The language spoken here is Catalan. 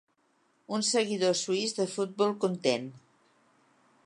Un seguidor suís de futbol content.